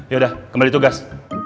yaudah kembali tugas